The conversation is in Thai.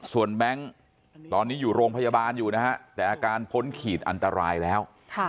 ส่วนแบงค์ตอนนี้อยู่โรงพยาบาลอยู่นะฮะแต่อาการพ้นขีดอันตรายแล้ว